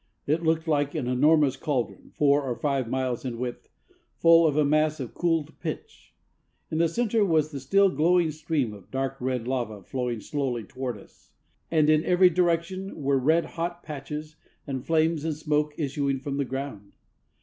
It looked like an enormous cauldron, four or five miles in width, full of a mass of cooled pitch. In the center was the still glowing stream of dark red lava flowing slowly toward us, and in every direction were red hot patches, and flames, and smoke, issuing from the ground.